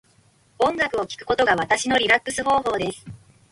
音楽を聴くことが私のリラックス方法です。